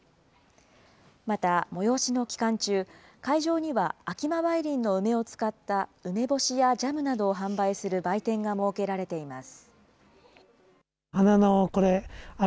また催しの期間中、会場には秋間梅林の梅を使った梅干しやジャムなどを販売する売店が設けられています。